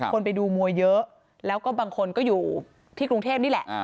คนไปดูมวยเยอะแล้วก็บางคนก็อยู่ที่กรุงเทพนี่แหละ